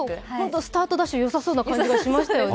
スタートダッシュよさそうな気がしますよね。